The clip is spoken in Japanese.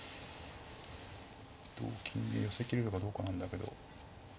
同金で寄せきれるかどうかなんだけど。